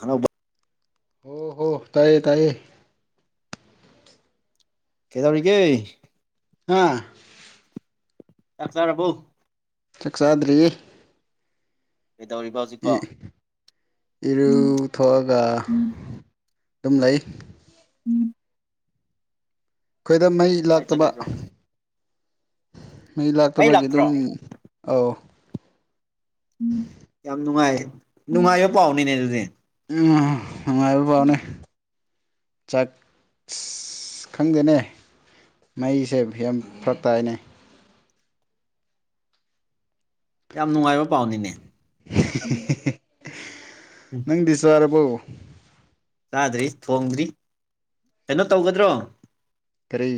ꯍꯣ ꯍ ꯍꯣ ꯇꯥꯏꯌꯦ ꯇꯥꯏꯌꯦ ꯀꯩ ꯇꯧꯔꯤ ꯀꯦ ꯍꯥꯥ ꯆꯥꯛꯆꯔꯔꯕꯕꯎ ꯆꯥꯛꯆꯥꯥꯗꯔꯤ ꯀꯩꯗꯧꯔꯤꯕ ꯍꯧꯖꯤꯛꯄꯣ ꯏ ꯏꯔꯊꯒ ꯑꯗꯨꯝ ꯂꯩ ꯑꯩꯈꯣꯏꯗ ꯃꯩ ꯀꯥꯏ ꯂꯥꯛꯇꯕ ꯆꯠꯂꯨꯕ꯭ꯔꯣ ꯉꯁꯤ ꯃꯩ ꯂꯥꯛꯇꯕꯒꯤ ꯑꯗꯨꯝ ꯑꯧ ꯎꯝ ꯌꯥꯝ ꯅꯨꯡꯉꯥꯏ ꯅꯨꯡꯉꯥꯏꯕ ꯄꯥꯎꯅꯤꯅꯦ ꯑꯗꯨꯗꯤ ꯎꯝ ꯅꯨꯡꯉꯥꯏꯕ ꯐꯥꯎꯅꯦ ꯆꯥꯛꯁ ꯈꯪꯗꯦꯅꯦ ꯃꯩꯁꯦ ꯌꯥꯝ ꯐꯔꯛ ꯇꯥꯏꯅ ꯌꯥꯝ ꯅꯨꯡꯉꯥꯏꯕ ꯄꯥꯎꯅꯤꯅꯦ ꯎꯝ ꯅꯪꯗꯤ ꯆꯥꯔꯕꯣ ꯆꯥꯗ꯭ꯔꯤ ꯊꯣꯡꯗ꯭ꯔꯤ ꯀꯩꯅꯣ ꯇꯧꯒꯗ꯭ꯔꯣ ꯀꯔꯤ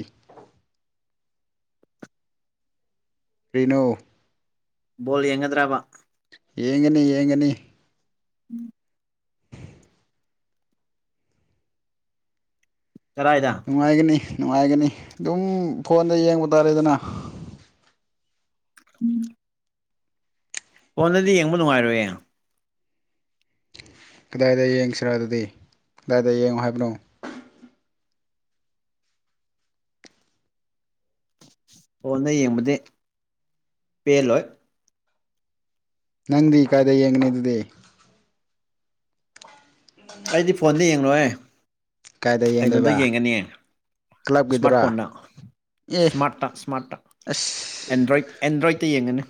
ꯔꯤꯅꯨ ꯕꯣꯜ ꯌꯦꯡꯒꯗ꯭ꯔꯕ ꯌꯦꯡꯒꯅꯤ ꯌꯦꯡꯒꯅꯤ ꯎꯝ ꯀꯗꯥꯏꯗ ꯅꯨꯡꯉꯥꯏꯒꯅꯤ ꯅꯨꯡꯉꯥꯏꯒꯅꯤ ꯑꯗꯨꯝ ꯐꯣꯟꯗ ꯌꯦꯡꯕ ꯇꯥꯔꯦꯗꯅ ꯎꯝ ꯐꯣꯟꯗꯗꯤ ꯌꯦꯡꯕ ꯅꯨꯡꯉꯥꯏꯔꯣꯏꯌꯦ ꯀꯗꯥꯏꯗ ꯌꯦꯡꯁꯤꯔꯣ ꯑꯗꯨꯗꯤ ꯀꯗꯥꯏꯗ ꯌꯦꯡꯉꯣ ꯍꯥꯏꯕꯅꯣ ꯑꯣ ꯐꯣꯟꯗ ꯌꯦꯡꯕꯗꯤ ꯄꯦꯜꯂꯣꯏ ꯅꯪꯗꯤ ꯀꯥꯏꯗ ꯌꯦꯡꯒꯅꯤ ꯗꯨꯗꯤ ꯑꯩꯗꯤ ꯐꯣꯟꯗ ꯌꯦꯡ ꯂꯣꯏꯌꯦ ꯀꯥꯏꯗ ꯀꯩꯅꯣꯗ ꯌꯦꯡꯗꯣꯏꯕ ꯌꯦꯡꯒꯅꯤ ꯁ꯭ꯃꯥꯔꯠ ꯀ꯭ꯂꯕꯀꯤꯗꯨꯔꯥ ꯐꯣꯟꯗ ꯑꯦ ꯁ꯭ꯃꯥꯔꯠ ꯇ ꯁ꯭ꯃꯥꯔꯠ ꯇ ꯑꯁ ꯑꯦꯟꯗ꯭ꯔꯣꯏꯗ ꯑꯦꯟꯗ꯭ꯔꯣꯏꯗꯠꯇ ꯌꯦꯡꯒꯅꯤ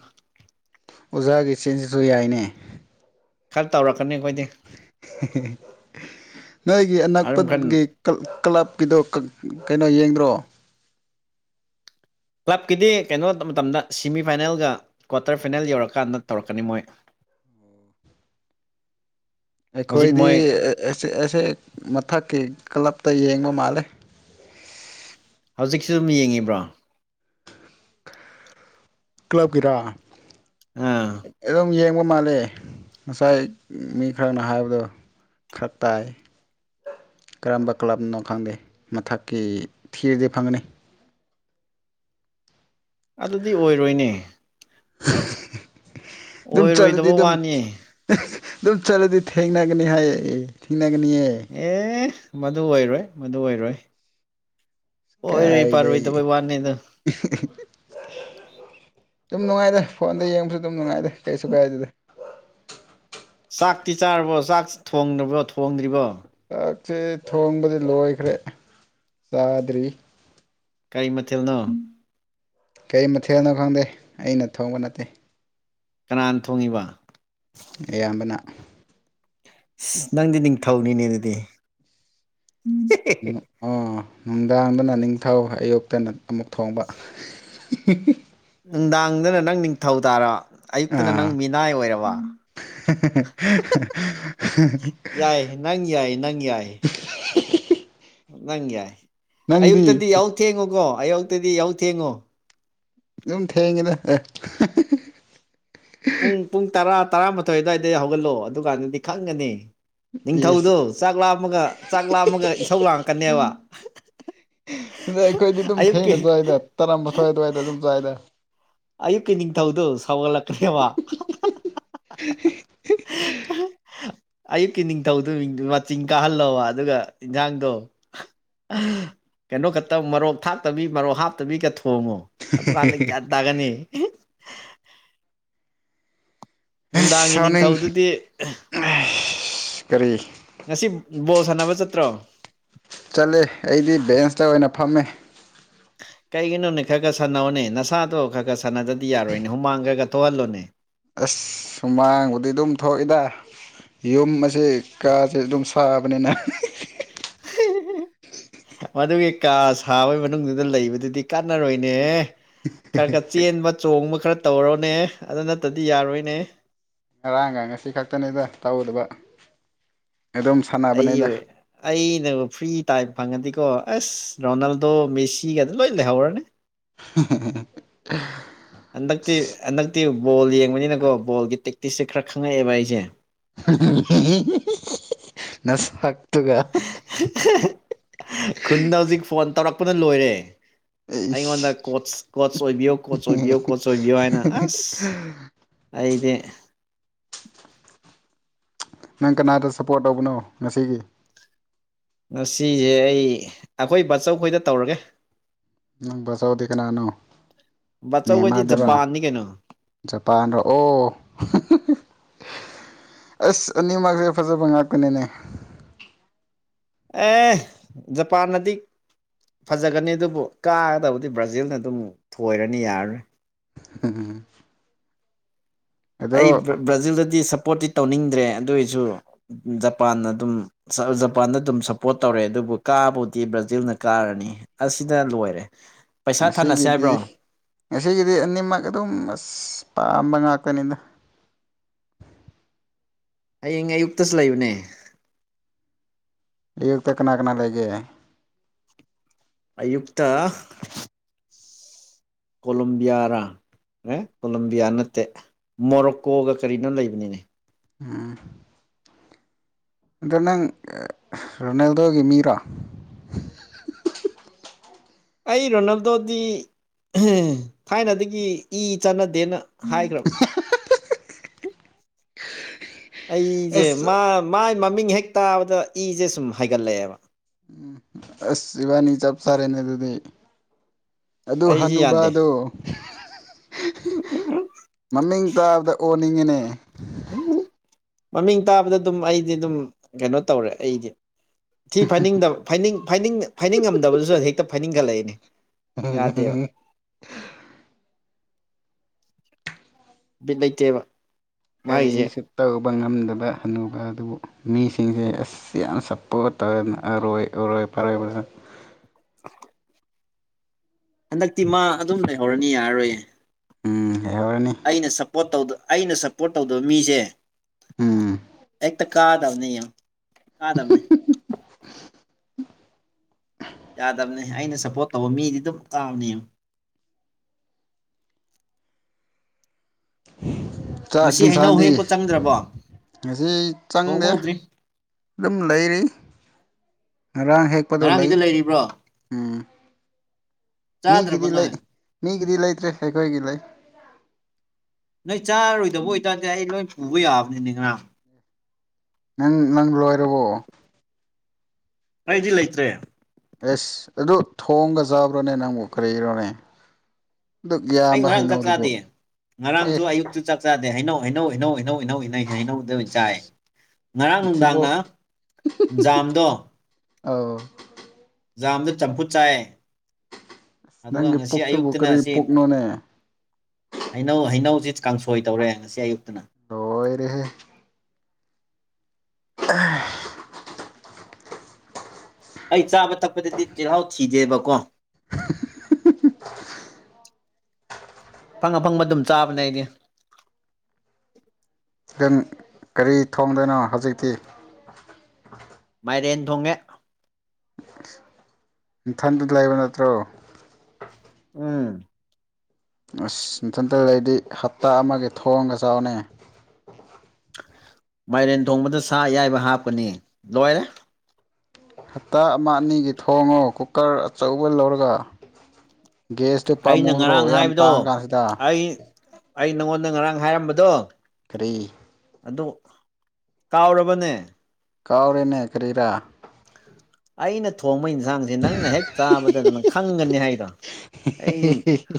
ꯑꯣꯖꯥꯒꯤ ꯆꯤꯟꯁꯤꯁꯨ ꯌꯥꯏꯅꯦ ꯈꯔ ꯇꯧꯔꯛꯀꯅꯤ ꯈꯣꯏꯗꯤ ꯅꯣꯏꯒꯤ ꯑꯅꯛꯄꯒꯤ ꯀ꯭ꯂꯕꯀꯤꯗꯣ ꯀꯩꯅꯣ ꯌꯦꯡꯗ꯭ꯔꯣ ꯀ꯭ꯂꯕꯀꯤꯗꯤ ꯀꯩꯅꯣ ꯃꯇꯝꯗ ꯁꯤꯃꯤ ꯐꯥꯏꯅꯦꯜꯒ ꯀ꯭ꯋꯥꯇꯔ ꯐꯥꯏꯅꯦꯜ ꯌꯧꯔꯀꯥꯟꯗ ꯇꯧꯔꯛꯀꯅꯤ ꯃꯣꯏ [inaudible] ꯍꯧꯖꯤꯛ ꯑꯩꯈꯣꯏꯗꯤ ꯃꯣꯏ ꯁ ꯑꯁꯦ ꯃꯊꯛꯀꯤ ꯀ꯭ꯂꯞꯇ ꯌꯦꯡꯕ ꯃꯥꯜꯂꯦ ꯍꯧꯖꯤꯛꯁꯨ ꯑꯗꯨꯝ ꯌꯦꯡꯉꯤꯕ꯭ꯔꯣ ꯀ꯭ꯂꯞ ꯀꯤꯔꯥ ꯑꯥ ꯑꯗꯨꯝ ꯌꯦꯡ ꯃꯥꯜꯂꯦ ꯉꯁꯥꯏ ꯃꯤ ꯈꯔꯅ ꯍꯥꯏꯕꯗꯣ ꯈꯔ ꯇꯥꯏ ꯀꯔꯝꯕ ꯀ꯭ꯂꯕꯅꯣ ꯈꯪꯗꯦ ꯃꯊꯛꯀꯤ ꯊꯤꯔꯗꯤ ꯐꯪꯒꯅꯤ ꯑꯗꯨꯗꯤ ꯑꯣꯏꯔꯣꯏꯅꯦ ꯑꯗꯨꯝ ꯆꯠꯂꯗꯤ ꯑꯣꯏꯔꯣꯏꯗꯕ ꯑꯗꯨꯝ ꯋꯥꯅꯤ ꯑꯗꯨꯝ ꯆꯠꯂꯗꯤ ꯊꯦꯡꯅꯒꯅꯤ ꯍꯥꯏꯌꯦ ꯊꯦꯡꯅꯒꯅꯤꯌꯦ ꯑꯦ ꯃꯗꯨ ꯑꯣꯏꯔꯣꯏ ꯃꯗꯨ ꯑꯣꯏꯔꯣꯏ ꯑꯣꯏꯔꯣꯏ ꯀꯥꯏꯗ ꯄꯥꯔꯣꯏꯗꯕꯩ ꯋꯥꯅꯤ ꯑꯗꯣ ꯑꯗꯨꯨꯝ ꯅꯨꯡꯉꯥꯏꯗ ꯐꯣꯟꯗ ꯌꯦꯡꯕꯁꯨ ꯑꯗꯨꯝ ꯅꯨꯡꯉꯥꯏꯗ ꯀꯩꯁꯨ ꯀꯥꯏꯗꯦꯗ ꯆꯥꯛꯇꯤ ꯆꯥꯔꯕꯣ ꯆꯥꯛ ꯊꯣꯡꯗꯕ꯭ꯔꯣ ꯊꯣꯡꯗ꯭ꯔꯤꯕꯣ ꯆꯥꯛꯁꯦ ꯊꯣꯡꯕꯗꯤ ꯂꯣꯏꯈ꯭ꯔꯦ ꯆꯥꯗ꯭ꯔꯤ ꯀꯔꯤ ꯃꯊꯦꯜꯅꯣ ꯀꯩ ꯃꯊꯦꯜꯅꯣ ꯈꯪꯗꯦ ꯑꯩꯅ ꯊꯣꯡꯕ ꯅꯠꯇꯦ ꯀꯅꯥꯅ ꯊꯣꯡꯉꯤꯕ ꯑꯌꯥꯝꯕꯅ ꯅꯪꯗꯤ ꯅꯤꯡꯊꯧꯅꯤꯅꯦ ꯑꯗꯨꯗꯤ ꯎꯝ ꯑ ꯅꯨꯡꯗꯥꯡꯗꯅ ꯅꯤꯡꯊꯧ ꯑꯌꯨꯛꯇꯅ ꯑꯃꯨꯛ ꯊꯣꯡꯕ ꯅꯨꯡꯗꯥꯡꯗꯅ ꯅꯪ ꯅꯤꯡꯊꯧ ꯇꯥꯔꯕ ꯑꯌꯨꯛꯇꯅ ꯑꯥ ꯅꯪ ꯃꯤꯅꯥꯏ ꯑꯣꯏꯔꯕ ꯌꯥꯏ ꯅꯪ ꯌꯥꯏ ꯅꯪ ꯌꯥꯏ ꯅꯪ ꯌꯥꯏ ꯅꯪꯗꯤ ꯑꯌꯨꯛꯇꯗꯤ ꯌꯥꯎ ꯊꯦꯡꯉꯨꯀꯣ ꯑꯌꯨꯛꯇꯗꯤ ꯌꯥꯎ ꯊꯦꯡꯉꯣ ꯑꯗꯨꯝ ꯊꯦꯡꯉꯤꯗ ꯄꯨꯡ ꯄꯨꯡ ꯇꯔꯥ ꯇꯔꯥꯃꯥꯊꯣꯏ ꯑꯗꯨꯋꯥꯏꯗ ꯍꯧꯒꯠꯂꯛꯑꯣ ꯑꯗꯨꯀꯥꯟꯗꯗꯤ ꯈꯪꯒꯅꯤ ꯏꯁ ꯅꯤꯡꯊꯧꯗꯣ ꯆꯥꯛ ꯂꯥꯞꯝꯃꯒ ꯆꯥꯛ ꯂꯥꯝꯃꯒ ꯏꯁꯧ ꯂꯥꯡꯉꯛꯀꯅꯦꯕ ꯑꯩꯈꯣꯏꯗꯤ ꯑꯗꯨꯝ ꯑꯌꯨꯛꯀꯤ ꯊꯦꯡꯅ ꯆꯏꯗ ꯇꯔꯥꯃꯊꯋꯥꯏ ꯑꯗꯨꯋꯥꯏꯗ ꯑꯗꯨꯝ ꯆꯋꯥꯏꯗ ꯑꯌꯨꯛꯀꯤ ꯅꯤꯡꯊꯧꯗꯨꯣ ꯁꯧꯒꯠꯂꯛꯀ꯭ꯔꯦꯕ [unintelligible] ꯑꯌꯨꯛꯀꯤ ꯅꯤꯡꯊꯧꯗꯨ ꯃꯤꯡ ꯃꯆꯤꯟ ꯀꯥꯍꯜꯂꯣꯧꯕ ꯑꯗꯨꯒ ꯏꯟꯖꯥꯡꯗꯣ ꯀꯩꯅꯣ ꯈꯛꯇ ꯃꯔꯣꯛ ꯊꯥꯛꯇꯕꯤ ꯃꯔꯣꯛ ꯍꯥꯞꯇꯕꯤꯒꯠꯣꯛ ꯍꯣꯡꯉꯣ ꯑꯗꯨꯀꯥꯟꯗ ꯒ꯭ꯌꯥꯟ ꯇꯥꯒꯅꯤ ꯑꯁ ꯅꯨꯡꯗꯥꯡꯒꯤ ꯁꯥꯎꯅꯤꯡ ꯅꯤꯡꯊꯧꯗꯨꯗꯤ ꯑꯩꯁ ꯀꯔꯤ ꯉꯁꯤ ꯣ ꯁꯅꯕ ꯆꯠꯇ꯭ꯔꯣ ꯆꯠꯂꯦ ꯑꯩꯗꯤ ꯕꯦꯟꯁꯇ ꯑꯣꯏꯅ ꯐꯝꯃꯦ [unintelligible] ꯀꯩꯒꯤꯅꯣꯅꯦ ꯈꯔ ꯈꯔ ꯁꯥꯟꯅꯣꯅꯦ ꯅꯁꯥꯗꯣ ꯈꯔ ꯈꯔ ꯁꯥꯟꯅꯗꯗꯤ ꯌꯥꯔꯣꯏꯅꯦ ꯍꯨꯃꯥꯡ ꯈ꯭ꯔꯒꯥ ꯊꯣꯛꯍꯜꯂꯣꯅꯦ ꯑꯁ ꯁꯨꯃꯥꯡꯕꯨꯗꯤ ꯑꯗꯨꯝ ꯊꯣꯛꯏꯗ ꯌꯨꯝ ꯑꯁꯤ ꯀꯥꯁꯦ ꯑꯗꯨꯝ ꯐꯥꯕꯅꯦꯅ [unintelligible] ꯃꯗꯨꯒꯤ ꯀꯥ ꯁꯥꯕꯒꯤ ꯃꯅꯨꯡꯗꯨꯗ ꯂꯩꯕꯗꯨꯗꯤ ꯀꯥꯟꯅꯔꯣꯏꯅꯦ ꯈꯔ ꯈꯔ ꯆꯦꯟꯕ ꯆꯣꯡꯕ ꯈꯔ ꯇꯧꯔꯣꯅꯦ ꯑꯗꯨ ꯅꯠꯇꯗꯤ ꯌꯥꯔꯣꯏꯅꯦ ꯉꯔꯥꯡꯒ ꯉꯁꯤ ꯈꯛꯇꯅꯤꯗ ꯇꯧꯗꯕ ꯑꯗꯨꯝ ꯑꯩ ꯁꯥꯟꯅꯕꯅꯤꯗ ꯍ ꯑꯩꯅ ꯐ꯭ꯔꯤ ꯇꯥꯏꯝ ꯐꯪꯉꯗꯤꯀꯣ ꯑꯁ ꯔꯣꯅꯥꯜꯗꯣ ꯃꯦꯁꯤꯒꯒꯥꯗ ꯂꯣꯏ ꯂꯩꯍꯧꯔꯅꯦ ꯑꯦ ꯛꯇꯤ ꯕꯣꯜ ꯌꯦꯡꯕꯅꯤꯅꯀꯣ ꯕꯣꯒꯤ ꯄ꯭ꯔꯦꯛꯇꯤꯁꯁꯦ ꯈꯔ ꯈꯪꯉꯛꯑꯦꯕ ꯑꯩꯁꯦ ꯅꯁꯛ ꯈꯨꯟꯗ ꯍꯧꯖꯤꯛ ꯐꯣꯟ ꯇꯧꯔꯛꯄꯅ ꯂꯣꯏꯔꯦ ꯑꯩꯉꯣꯟꯗ ꯏꯁ ꯀꯣꯆ ꯀꯣꯆ ꯑꯣꯏꯕꯤꯌꯨ ꯀꯣꯆ ꯑꯣꯏꯕꯤꯌꯨ ꯀꯣꯆ ꯑꯣꯏꯕꯤꯌꯣ ꯍꯥꯏꯅ ꯑꯁ ꯑꯩꯗꯦ ꯅꯪ ꯀꯅꯥꯗ ꯁꯞꯄꯣꯔꯠ ꯇꯧꯕꯅꯣ ꯉꯁꯤꯒꯤ ꯉꯁꯤꯁꯦ ꯑꯩ ꯑꯩꯈꯣꯏ ꯕꯥꯆꯧ ꯈꯣꯏꯗ ꯇꯧꯔꯒꯦ ꯅꯪ ꯁꯥꯎꯗ ꯀꯅꯥꯅꯣ ꯕꯥꯆꯧꯈꯣꯏꯗꯤ ꯅꯦꯃꯗꯨꯔꯣ ꯖꯄꯥꯟꯅꯤ ꯀꯩꯅꯣ ꯖꯄꯥꯟꯔꯣ ꯑꯣ ꯑꯁ ꯑꯅꯤꯃꯛꯁꯦ ꯐꯖꯕ ꯉꯥꯛꯇꯥꯅꯤꯅꯦ ꯑꯦ ꯖꯄꯥꯟꯅꯗꯤ ꯐꯖꯒꯅꯤ ꯑꯗꯨꯕꯨ ꯀꯥꯒꯗꯕꯨꯗꯤ ꯕ꯭ꯔꯥꯖꯤꯜꯅ ꯑꯗꯨꯝ ꯊꯣꯏꯔꯅꯤ ꯌꯥꯔꯔꯣꯏ ꯑꯩ ꯑꯗꯣ ꯕ꯭ꯔꯥꯖꯤꯜꯗꯗꯤ ꯁꯞꯄꯣꯔꯠ ꯇꯧꯅꯤꯡꯗ꯭ꯔꯦ ꯑꯗꯨꯑꯣꯏꯁꯨ ꯖꯄꯥꯟꯅ ꯑꯗꯨꯝ ꯖꯄꯥꯟꯗ ꯑꯗꯨꯝ ꯁꯞꯄꯣꯔꯠ ꯇꯧꯔꯦ ꯑꯗꯨꯕꯨ ꯀꯥꯕꯨꯗꯤ ꯕ꯭ꯔꯥꯖꯤꯜꯅ ꯀꯥꯔꯅꯤ ꯑꯁꯤꯅꯗ ꯂꯣꯏꯔꯦ ꯄꯩꯁꯥ ꯊꯥꯅꯁꯦ ꯉꯁꯤꯒꯤꯗꯤ ꯍꯥꯏꯕ꯭ꯔꯣ ꯉꯁꯤꯒꯤꯗꯤ ꯑꯅꯤꯃꯛ ꯑꯗꯨꯝ ꯑꯁ ꯄꯥꯝꯕ ꯉꯥꯛ ꯀꯅꯤꯗ ꯍꯌꯦꯡ ꯑꯌꯨꯛꯇꯁꯨ ꯂꯩꯕꯅꯦ ꯑꯌꯨꯛꯇ ꯀꯅꯥ ꯀꯅꯥ ꯂꯩꯒꯦ ꯑꯌꯨꯛꯇ ꯀꯣꯂꯣꯕꯤꯌꯥꯔꯥ ꯑꯦ ꯀꯣꯂꯝꯕꯤꯌꯥ ꯅꯠꯇꯦ ꯃꯣꯔꯣꯛꯀꯣꯒ ꯀꯔꯤꯅꯣ ꯂꯩꯕꯅꯤꯅꯦ ꯑꯝ ꯑꯗꯣ ꯅꯪ ꯔꯣꯅꯥꯜꯗꯣꯒꯤ ꯃꯤꯔꯣ ꯑꯩ ꯔꯣꯅꯥꯜꯗꯣꯗꯤ ꯊꯥꯏꯅꯗꯒꯤ ꯏ ꯆꯥꯟꯅꯗꯦꯅ ꯍꯥꯢ ꯒꯔꯕꯅꯤ ꯑꯩꯁꯦ ꯑꯁ ꯃꯥꯏ ꯃꯃꯤꯡ ꯍꯦꯛ ꯇꯥꯕꯗ ꯏꯁꯁꯦ ꯁꯨꯝ ꯍꯥꯏꯒꯠꯂꯛꯑꯦꯕ ꯎꯝ ꯑꯁꯕꯥꯅꯤ ꯆꯞ ꯁꯔꯦꯅꯦ ꯑꯗꯨꯗꯤ ꯑꯗꯨ ꯑꯩꯁꯤ ꯌꯥꯗꯦ ꯍꯅꯨꯕꯗꯣ ꯃꯃꯤꯡ ꯇꯥꯕꯗ ꯑꯣꯟꯅꯤꯡꯉꯤꯅꯦ ꯃꯃꯤꯡ ꯇꯥꯕꯗ ꯑꯗꯨꯝ ꯑꯩꯗꯤ ꯑꯗꯨꯝ ꯀꯩꯅꯣ ꯇꯧꯔꯦ ꯑꯩꯗꯤ ꯊꯏ ꯐꯥꯏꯅꯤꯡꯗꯕ ꯐꯅꯤꯡ ꯐꯅꯤꯡ ꯐꯥꯏꯅꯤꯡꯉꯝꯗꯕꯗꯨꯁꯨ ꯍꯦꯛꯇ ꯐꯥꯏꯅꯤꯡꯒꯠꯂꯛꯏꯅꯤ ꯎꯝ ꯕꯤꯠ ꯂꯩꯇꯦꯕ ꯑꯔꯤ ꯃꯥꯒꯤꯁꯦ ꯁꯤꯞꯇ ꯇꯧꯕ ꯉꯝꯗꯕ ꯍꯅꯨꯕ ꯑꯗꯨꯕꯨ ꯃꯤꯁꯤꯡꯁꯦ ꯑꯁ ꯌꯥꯝ ꯁꯞꯄꯣꯔꯠ ꯇꯧꯔꯅ ꯑꯔꯣꯏ ꯑꯔꯣꯏ ꯐꯔꯦꯕ [unintelligible] ꯍꯟꯗꯛꯇꯤ ꯃꯥ ꯑꯗꯨꯝ ꯂꯩꯍꯧꯔꯅꯤ ꯌꯥꯔꯔꯣꯏꯌꯦ ꯎꯝ ꯍꯦꯔꯅꯤ ꯄꯣꯔꯠ ꯇꯧ ꯑꯩꯅ ꯁꯞꯄꯣꯔꯠ ꯇꯧꯗꯕ ꯃꯤꯁꯦ ꯎꯝ ꯍꯦꯛꯇ ꯀꯥꯗꯕꯅꯤ ꯌꯥꯝ ꯀꯥꯗꯕꯅꯤ [unintelligible] ꯌꯥꯗꯕꯅꯦ ꯑꯩꯅ ꯁꯞꯄꯣꯔꯠ ꯇꯧꯕ ꯃꯤꯗꯤ ꯑꯗꯨꯝ ꯀꯥꯕꯅꯦ [unintelligible] ꯉꯁꯤ ꯍꯩꯅꯧ ꯆꯥꯛꯀꯤꯁꯥꯡꯗꯤ ꯍꯦꯛꯄ ꯆꯪꯗ꯭ꯔꯕꯣ ꯉꯁꯤ ꯆꯪꯗꯦ ꯊꯣꯡꯍꯧꯗ꯭ꯔꯤ ꯑꯗꯨꯝ ꯂꯩꯔꯤ ꯉꯔꯥꯡ ꯍꯦꯛꯄꯗꯣ ꯂꯩ ꯉꯔꯥꯡꯒꯤꯗꯣ ꯂꯩꯔꯤꯕ꯭ꯔꯣ ꯎꯝ ꯆꯥꯗ꯭ꯔꯕ ꯃꯤꯒꯤꯗꯤ ꯅꯣꯏ ꯂꯩ ꯃꯤꯒꯤꯗꯤ ꯂꯩꯇ꯭ꯔꯦ ꯑꯩꯈꯣꯏꯒꯤ ꯂꯩ ꯅꯣꯏ ꯆꯥꯔꯣꯏꯗꯕ ꯑꯣꯏꯇꯥꯔꯗꯤ ꯑꯩ ꯂꯣꯏ ꯄꯨꯕ ꯌꯥꯕꯅꯤꯅꯦ ꯉ ꯅꯪ ꯅꯪ ꯂꯣꯏꯔꯕꯣ ꯑꯩꯗꯤ ꯂꯩꯇ꯭ꯔꯦ ꯑꯦꯁ ꯑꯗꯨ ꯊꯣꯡꯒ ꯆꯥꯕ꯭ꯔꯣꯅꯦ ꯅꯪꯕꯨ ꯀꯔꯤꯔꯣꯅꯦ ꯑꯗꯨꯛ ꯑꯩ ꯌꯥꯝꯕ ꯉꯔꯥꯡ ꯆꯥꯛ ꯍꯩꯅꯧꯗꯨꯕꯨ ꯆꯥꯗꯦ ꯑꯦ ꯉꯔꯥꯡꯁꯨ ꯑꯌꯨꯛꯁꯨ ꯆꯥꯛꯆꯥꯥꯗꯦ ꯍꯩꯅꯧ ꯍꯩꯅꯧ ꯍꯩꯅꯧ ꯍꯩꯅꯧ ꯏꯩꯅꯧ ꯏꯩꯅꯧ ꯍꯥꯏꯩꯅꯧꯗꯕ ꯆꯥꯏ ꯉꯔꯥꯡ ꯁꯤꯕꯨ ꯅꯨꯡꯗꯥꯡꯅ ꯖꯥꯝꯗꯣ ꯑ ꯖꯥꯝꯗ ꯆꯝꯐꯨꯠ ꯆꯥꯏ ꯑꯗꯨꯒ ꯅꯪꯒꯤ ꯉꯁꯤ ꯄꯨꯛꯇꯨꯕꯨ ꯑꯌꯨꯛꯇꯅ ꯀꯔꯤ ꯑꯁꯤ ꯄꯨꯛꯅꯣꯅꯦ ꯍꯩꯅꯧ ꯍꯩꯅꯧꯁꯤ ꯀꯥꯡꯁꯣꯏ ꯇꯧꯔꯦ ꯉꯁꯤ ꯑꯌꯨꯛꯇꯅ ꯂꯣꯏꯔꯦꯍꯦ ꯑ ꯑꯩ ꯆꯥꯕ ꯊꯛꯄꯗꯗꯤ ꯆꯤꯍꯥꯎ ꯊꯤꯗꯦꯕꯀꯣ [unintelligible] ꯐꯪ ꯑꯐꯪꯕ ꯑꯗꯨꯝ ꯆꯥꯕꯅꯦ ꯑꯩꯗꯤ ꯑꯗꯨꯝ ꯀꯔꯤ ꯊꯣꯡꯗꯣꯏꯅꯣ ꯍꯧꯖꯤꯛꯇꯤ ꯃꯥꯏꯔꯦꯟ ꯊꯣꯡꯉꯦ ꯏꯝꯊꯟꯗꯨ ꯂꯩꯕ ꯅꯠꯇ꯭ꯔꯣ ꯎꯝ ꯑꯁ ꯃꯊꯟꯇ ꯂꯩꯗꯤ ꯍꯞꯇꯥ ꯑꯃꯒꯤ ꯊꯣꯡꯒ ꯆꯥꯎꯅꯩ ꯃꯥꯏꯔꯦꯟ ꯊꯣꯡꯕꯗ ꯁꯥ ꯑꯌꯥꯏꯕ ꯍꯥꯞꯄꯅꯤ ꯂꯣꯏꯔꯦ ꯍꯞꯇꯥ ꯑꯃ ꯑꯅꯤꯒꯤ ꯊꯣꯡꯉꯣ ꯀꯨꯀꯔ ꯑꯆꯧꯕ ꯂꯧꯔꯒ ꯒꯦꯁꯇꯨ ꯑꯩꯅ ꯄꯥꯝꯃꯨꯗ꯭ꯔꯣ ꯉꯔꯥꯡ ꯌꯥꯝ ꯇꯥꯡꯉ ꯍꯥꯏꯕꯗꯣ ꯀꯥꯟꯁꯤꯗ ꯑꯩ ꯑꯩ ꯅꯪꯉꯣꯟꯗ ꯉꯔꯥꯡ ꯍꯥꯏꯔꯝꯕꯗꯣ ꯀꯔꯤ ꯑꯗꯨ ꯀꯥꯎꯔꯕꯅꯦ ꯀꯥꯎꯔꯤꯅ ꯀꯔꯤꯔꯥ ꯑꯩꯅ ꯊꯣꯡꯉꯩꯁ ꯌꯦꯟꯁꯥꯡꯁꯦ ꯅꯪꯅ ꯍꯦꯛ ꯆꯥꯕꯗꯗꯪ ꯈꯪꯒꯅꯤ ꯍꯥꯏꯗꯣ ꯑꯩ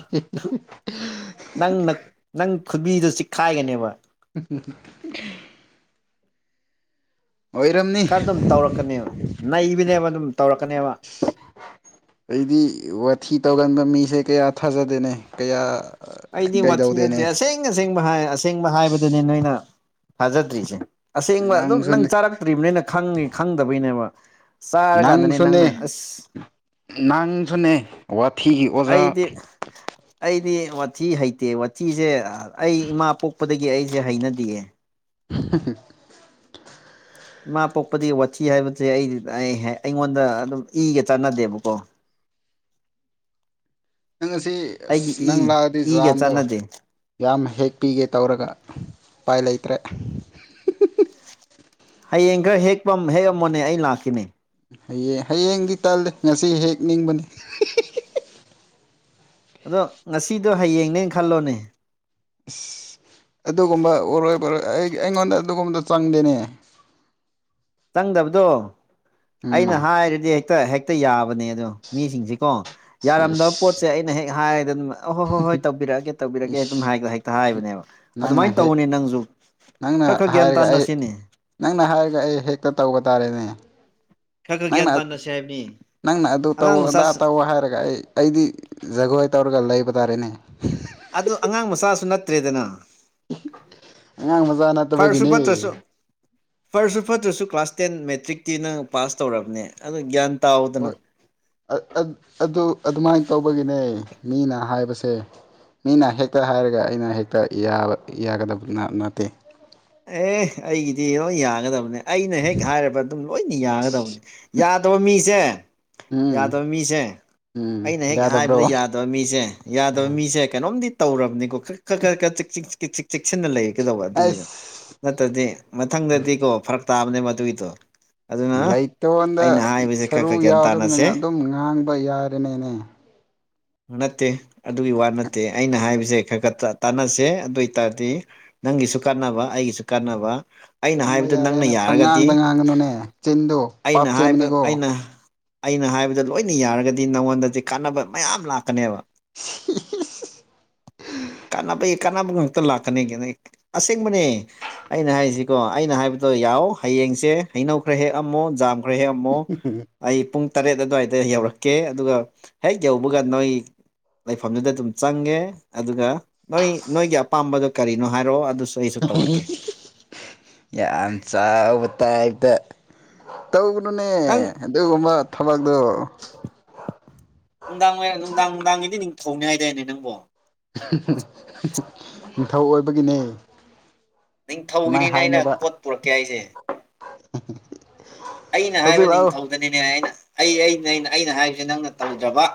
[unintelligible] ꯅꯪ ꯅꯪ ꯈꯨꯕꯤꯗꯨꯣ ꯆꯤꯛꯈꯥꯏꯒꯅꯦꯕ ꯎ ꯈꯔ ꯑꯗꯨꯝ ꯇꯧꯔꯛꯀꯅꯦꯕ ꯅꯩꯕꯅꯦꯕ ꯑꯗꯨꯝ ꯇꯧꯔꯛꯀꯅꯦꯕ ꯑꯩꯗꯤ ꯋꯥꯊꯤ ꯇꯧꯒꯟꯕ ꯃꯤꯁꯦ ꯀꯌꯥ ꯊꯥꯖꯗꯦꯅꯦ ꯀꯌꯥ ꯑꯩꯗꯤ ꯋꯥꯊꯤ ꯅꯠꯇꯦ ꯀꯩꯗꯧꯗꯦꯅꯦ ꯑꯁꯦꯡ ꯑꯁꯦꯡꯕ ꯍꯥꯏ ꯑꯁꯦꯡꯕ ꯍꯥꯏꯕꯗꯨꯅꯦ ꯅꯣꯏꯅ ꯊꯥꯖꯗ꯭ꯔꯤꯁꯦ ꯑꯁꯦꯡꯕ ꯑꯗꯨꯝ ꯅꯪ ꯅꯪꯁꯨꯅꯦ ꯆꯥꯔꯛꯇ꯭ꯔꯤꯕ ꯅ ꯑꯅ ꯈꯪꯉꯤ ꯈꯪꯗꯕꯩꯅꯦꯕ ꯅꯪ ꯆꯥꯔꯀꯥꯟꯗꯅꯦ ꯁꯅꯦ ꯅꯪꯅ ꯑꯁ ꯅꯪ ꯁꯅꯦ ꯋꯥ ꯊꯤꯒꯤ ꯑꯣꯖꯥ ꯑꯩꯗꯤ ꯑꯩꯗꯤ ꯋꯥꯊꯤ ꯍꯩꯇꯦ ꯋꯥꯊꯤꯁꯦ ꯑꯩ ꯏꯃꯥ ꯄꯣꯛꯄꯗꯒꯤ ꯑꯩꯁꯦ ꯍꯩꯅꯗꯌꯦ [unintelligible] ꯏꯃꯥ ꯄꯣꯛꯄꯗꯤ ꯋꯥꯊꯤ ꯍꯥꯏꯕꯁꯦ ꯑꯩꯗꯤ ꯑꯩ ꯑꯩꯉꯣꯟꯗ ꯑꯗꯨꯝ ꯏꯒ ꯆꯥꯟꯅꯗꯦꯕꯀꯣ [unintelligible] ꯅꯪ ꯉ ꯑꯁꯤ ꯑꯩꯒꯤ ꯑꯁ ꯅꯪ ꯏ ꯂꯥꯛꯑꯗꯤ ꯏꯒ ꯖꯥꯝꯗꯣ ꯆꯥꯟꯅꯗꯦ ꯌꯥꯝ ꯍꯦꯛ ꯄꯤꯒꯦ ꯇꯧꯔꯒ ꯎꯄꯥꯏ ꯂꯩꯇ꯭ꯔꯦ ꯍꯌꯦꯡ ꯈꯔ ꯍꯦꯛꯄꯝ ꯍꯦꯛꯑꯝꯃꯣꯅꯦ ꯑꯩ ꯂꯥꯛꯈꯤꯅꯤ ꯍꯌꯦꯡ ꯍꯌꯦꯡꯗꯤ ꯇꯜꯂꯤ ꯉꯁꯤ ꯍꯦꯛ ꯅꯤꯡꯕꯅꯤ ꯑꯗꯣ ꯉꯁꯤꯗꯣ ꯍꯌꯦꯡꯅꯦ ꯈꯜꯂꯣꯅꯦ ꯑ ꯑꯗꯨꯒꯨꯝꯕ ꯑꯣꯏꯔꯣꯏ ꯔꯣꯏ ꯑꯩ ꯑꯩꯉꯣꯟꯗ ꯑꯗꯨꯒꯨꯝꯕꯗ ꯆꯪꯗꯦꯅꯦ ꯆꯪꯗꯕꯗꯣ ꯑꯩꯅ ꯎꯝ ꯍꯥꯏꯔꯗꯤ ꯍꯦꯛꯇ ꯍꯦꯛꯇ ꯌꯥꯕ ꯑꯣꯁꯤꯡꯁꯤꯗꯣ ꯌꯥꯔꯗꯕ ꯏꯁ ꯄꯣꯠꯁꯦ ꯑꯩꯅ ꯍꯦꯛ ꯍꯥꯏꯔ ꯑ ꯍꯣꯏ ꯍꯣꯏ ꯍꯣꯏ ꯇꯧꯕꯤꯔꯛꯑꯒꯦ ꯇꯧꯕꯤꯔꯛꯑꯒꯦ ꯑꯗꯨꯝ ꯏꯁ ꯍꯦꯛꯇ ꯍꯥꯏꯕꯅꯦꯕ ꯅꯪꯅ ꯑꯗꯨꯃꯥꯏꯅ ꯍꯦꯛ ꯇꯧꯕꯅꯦ ꯅꯪꯁꯨ ꯅꯪꯅ ꯈꯔ ꯈꯔ ꯒ꯭ꯌꯥꯟ ꯍꯥꯏꯔꯒ ꯇꯥꯅ ꯑꯩ ꯁꯤꯅꯤ ꯅꯪꯅ ꯍꯥꯏꯔꯒ ꯑꯩ ꯍꯦꯛꯇ ꯇꯧꯕ ꯇꯥꯔꯦꯅꯦ ꯈꯌꯥ ꯈꯒ꯭ꯟ ꯅꯪꯅ ꯇꯥꯟꯅꯁꯦꯕꯅꯤ ꯅꯪꯅ ꯑꯗꯨ ꯇꯧ ꯑꯗꯥ ꯇꯧ ꯍꯥꯏꯔꯒ ꯑꯩ ꯑꯩꯗꯤ ꯖꯒꯣꯏ ꯇꯧꯔꯒ ꯂꯩꯕ ꯔꯦꯅꯦ ꯑꯗꯨ ꯑꯉꯥꯡ ꯃꯆꯥꯁꯨ ꯅꯠꯇ꯭ꯔꯦꯗꯅ ꯑꯉꯥꯡ ꯃꯆꯥ ꯐꯔꯁꯨ ꯅꯠꯇꯕꯒꯤꯅꯦ ꯐꯠꯇ꯭ꯔꯁꯨ ꯐꯔꯁꯨ ꯐꯠꯇ꯭ꯔꯁꯨ ꯀ꯭ꯂꯥꯁ ꯇꯦꯟ ꯃꯦꯠ ꯃꯦꯇ꯭ꯔꯤꯛꯇꯤ ꯅꯪ ꯄꯥꯁ ꯇꯧꯔꯕꯅꯦ ꯑ ꯒ꯭ꯌꯥꯟ ꯇꯥꯎꯗꯅ ꯍꯣꯏ ꯑꯗꯨ ꯑꯗꯨꯃꯥꯏꯅ ꯇꯧꯕꯒꯤꯅꯦ ꯃꯤꯅ ꯍꯥꯏꯁ ꯁꯦ ꯃꯤꯅ ꯍꯦꯛꯇ ꯍꯥꯏꯔꯒ ꯑꯩꯅ ꯍꯦꯛꯇꯕ ꯌꯥꯒꯗꯕ ꯅꯠꯇꯦ ꯑꯦ ꯑꯩꯒꯤꯗꯤ ꯂꯣꯏ ꯌꯥꯒꯗꯕꯅꯦ ꯑꯩꯅ ꯍꯦꯛ ꯍꯥꯏꯔꯕ ꯑꯗꯨꯝ ꯂꯣꯏꯅ ꯌꯥꯒꯗꯕꯅꯤ ꯌꯥꯗꯕ ꯃꯤꯁꯦ ꯎꯝ ꯌꯥꯗꯕ ꯃꯤꯁꯦ ꯎꯝ ꯑꯩꯅ ꯍꯦꯛ ꯍꯥꯏꯕꯗ ꯌꯥꯗꯕ꯭ꯔꯣ ꯌꯥꯗꯕ ꯃꯤꯁꯦ ꯌꯥꯗꯕ ꯃꯤꯁꯦ ꯀꯩꯅꯣꯝꯗꯤ ꯇꯧꯔꯕꯅꯤꯀꯣ ꯈ ꯈꯔ ꯈꯔ ꯈ ꯆꯦꯛꯁꯤꯟꯅ ꯂꯩꯒꯦ ꯑꯁ ꯅꯠꯇ꯭ꯔꯗꯤ ꯃꯊꯪꯗꯗꯤꯀꯣ ꯐꯔꯛ ꯇꯥꯕꯅꯦ ꯃꯗꯨꯒꯤꯗꯣ ꯑꯗꯨꯅ ꯂꯩꯇꯣꯟꯗ ꯑꯩꯅ ꯍꯥꯏꯕꯁꯦ ꯈꯔ ꯁꯔꯨ ꯈꯔ ꯒ꯭ꯌꯥꯟ ꯌꯥꯎꯗꯕꯅꯤꯅ ꯇꯥꯅꯁꯦ ꯑꯗꯨꯝ ꯉꯥꯡꯕ ꯌꯥꯔꯦꯅꯦꯅꯦ ꯅꯠꯇꯦ ꯑꯗꯨꯒꯤ ꯋꯥ ꯅꯠꯇꯦ ꯑꯩꯅ ꯍꯥꯏꯕꯁꯦ ꯈꯔ ꯈ ꯇꯥꯟꯅꯁꯦ ꯑꯗꯨ ꯑꯣꯏ ꯇꯔꯗꯤ ꯅꯪꯒꯤꯁꯨ ꯀꯥꯟꯅꯕ ꯑꯩꯒꯤꯁꯨ ꯀꯥꯟꯅꯕ ꯑꯩꯅ ꯉꯥꯡꯕ ꯍꯥꯏꯕꯗꯨ ꯅꯪꯅ ꯌꯥꯔꯦꯅ ꯌꯥꯔꯒꯗꯤ ꯄꯪꯉꯥꯡꯗ ꯉꯥꯡꯒꯅꯨꯅꯦ ꯆꯤꯟꯗꯣ ꯄꯥꯞ ꯑꯩꯅ ꯍꯥꯏꯕ ꯆꯦꯟꯕꯅꯤꯀꯣ ꯑꯩꯅ ꯑꯩꯅ ꯍꯥꯏꯕꯗ ꯂꯣꯏꯅ ꯌꯥꯔꯒꯗꯤ ꯅꯪꯉꯣꯟꯗꯗꯤ ꯀꯥꯟꯅꯕ ꯃꯌꯥꯝ ꯂꯥꯛꯀꯅꯦꯕ ꯀꯅꯥ ꯄꯩ ꯀꯅꯕ ꯉꯥꯛꯇ ꯂꯥꯛꯀꯅꯤ ꯀꯅ ꯑꯁꯦꯡꯕꯅꯦ ꯑꯩꯅ ꯍꯥꯏꯁꯤꯀꯣ ꯑꯩꯅ ꯍꯥꯏꯕꯗꯣ ꯌꯥꯎ ꯍꯌꯦꯡꯁꯦ ꯍꯩꯅꯧ ꯈ꯭ꯔ ꯍꯦꯛ ꯑꯃꯨꯛ ꯖꯥꯝ ꯍꯣꯔ ꯍꯦ ꯑꯃꯃꯨ ꯑꯩ ꯄꯨꯡ ꯇꯔꯦꯠ ꯑꯗꯨꯋꯥꯏꯗ ꯌꯧꯔꯛꯀꯦ ꯑꯗꯨꯒ ꯍꯦꯛ ꯌꯧꯕꯒ ꯅꯣꯏ ꯂꯩꯐꯝꯗꯨꯗ ꯑꯗꯨꯝ ꯆꯪꯉꯦ ꯑꯗꯨꯒ ꯅꯣꯏ ꯅꯣꯏꯒꯤ ꯑꯄꯥꯝꯕꯗꯣ ꯀꯔꯤꯅꯣ ꯍꯥꯏꯔꯛꯑꯣ ꯑꯗꯨꯁꯨ ꯑꯩꯁꯨ ꯇꯧꯔꯛꯀꯦ ꯌꯥꯝ ꯆꯥꯎꯕ ꯇꯥꯏꯞꯇ ꯇꯧꯒꯅꯨꯅꯦ ꯅꯪ ꯑꯗꯨꯒꯨꯝꯕ ꯊꯕꯛꯇꯣ ꯎꯅꯨꯡꯗꯡ ꯎꯅꯨꯡꯡꯗꯡ ꯊꯧꯅꯤ ꯑꯥꯏꯗꯥꯅꯦ ꯅꯪꯕꯣ ꯅꯤꯡꯊꯧ ꯑꯣꯏꯕꯒꯤꯅꯦ ꯑꯗꯨꯃꯥꯏꯅ ꯅꯤꯡꯊꯧꯒꯤꯅꯤꯅꯦ ꯑꯩꯅ ꯍꯥꯏꯅꯣꯕ ꯄꯣꯠ ꯄꯨꯔꯛꯀꯦ ꯑꯩꯁꯦ ꯑꯩꯅ ꯍꯥꯏꯕ ꯍꯧꯖꯤꯛ ꯂꯥꯛꯑꯣ ꯅꯤꯡꯊꯧꯧꯗꯅꯤꯅꯦ ꯑꯩꯅ ꯑꯩꯩꯅ ꯑꯩꯅ ꯍꯥꯏꯕꯁꯦ ꯅꯪꯅ ꯇꯧꯗ꯭ꯔꯕ